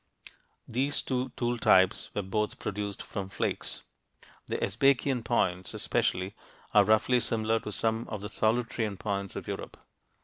These two tool types were both produced from flakes. The Sbaikian points, especially, are roughly similar to some of the Solutrean points of Europe.